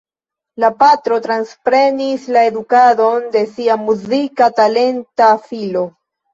La patro transprenis la edukadon de sia muzike talenta filo.